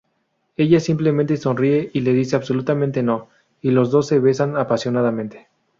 Ella simplemente sonríe y le dice "absolutamente no", y los dos se besan apasionadamente.